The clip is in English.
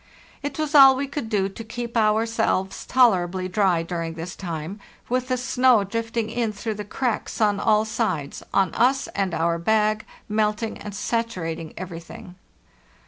It was all we could do to keep ourselves tolerably dry during this time, with the snow drifting in through the cracks on all sides, on us and our bag, melting and sat urating everything.